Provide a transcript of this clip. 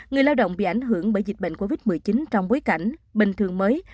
người lao động bị ảnh hưởng bởi dịch bệnh covid một mươi chín trong bối cảnh bình thường mới